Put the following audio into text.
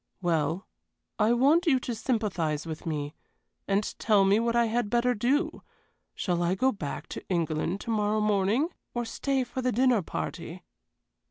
"Well, I want you to sympathize with me, and tell me what I had better do. Shall I go back to England to morrow morning, or stay for the dinner party?"